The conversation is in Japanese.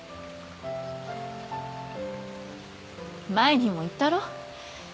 前にも言ったろ？